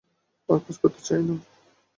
আর কাজ করতে চাই না।